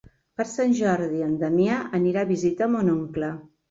Per Sant Jordi en Damià anirà a visitar mon oncle.